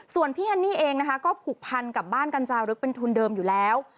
ส่วนพี่ฮันนี่เองนะคะก็ผูกพันกับบ้านกัญจารึกเป็นทุนเดิมอยู่แล้ว